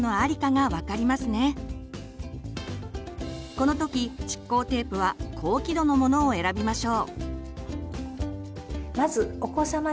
この時蓄光テープは「高輝度」のものを選びましょう。